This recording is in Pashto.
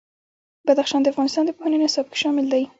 بدخشان د افغانستان د پوهنې نصاب کې شامل دي.